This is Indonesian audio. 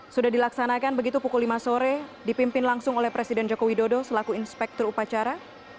sudah dilaksanakan begitu pukul lima sore dipimpin langsung oleh presiden joko widodo selaku inspektur upacara